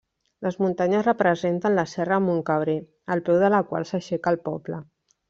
Les muntanyes representen la serra de Montcabrer, al peu de la qual s'aixeca el poble.